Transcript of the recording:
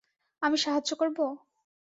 আমি সাহায্য করবো?